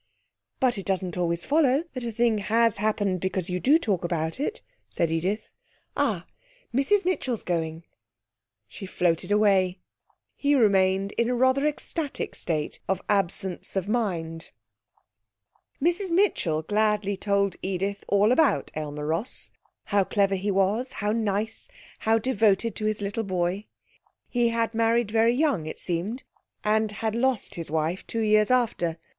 '' 'But it doesn't always follow that a thing has happened because you do talk about it,' said Edith. 'Ah, Mrs Mitchell's going !' She floated away. He remained in a rather ecstatic state of absence of mind. Mrs Mitchell gladly told Edith all about Aylmer Ross, how clever he was, how nice, how devoted to his little boy. He had married very young, it seemed, and had lost his wife two years after.